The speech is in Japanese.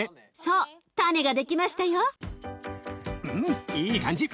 うんいい感じ。